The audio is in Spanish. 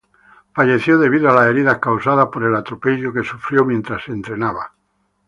Falleció debido a las heridas causadas por el atropello que sufrió mientras entrenaba.